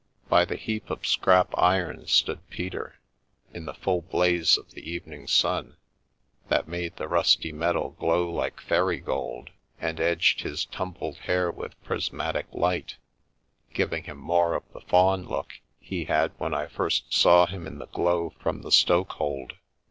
By the heap of scrap iron stood Peter, in the full blaze of the evening sun, that made the rusty metal glow like fairy gold, and edged his tumbled hair with prismatic light, giving him more of the Faun look he had when I first saw him in the glow from the stoke hold.